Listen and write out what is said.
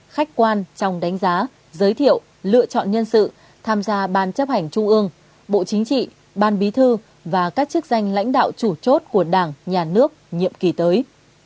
khách quan trong đánh giá giới thiệu lựa chọn nhân sự tham gia ban chấp hành trung ương bộ chính trị ban bí thư và các chức danh lãnh đạo chủ chốt của đảng nhà nước nhiệm kỳ tới